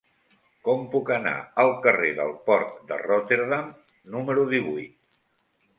Com puc anar al carrer del Port de Rotterdam número divuit?